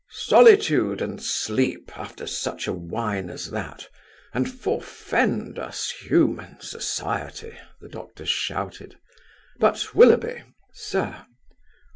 "Solitude and sleep, after such a wine as that; and forefend us human society!" the Doctor shouted. "But, Willoughby!" "Sir."